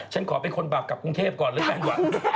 ฉันขอเป็นคนบาลกลับกรุงเทพก่อนเหรอเป็นแบบนี้